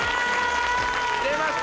出ました！